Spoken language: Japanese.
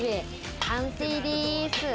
完成です。